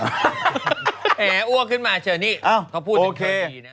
แอ้อ้วดขึ้นมาเธอนี่เขาพูดถึงเธอดีน่ะ